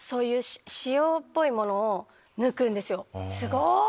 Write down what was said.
すごい！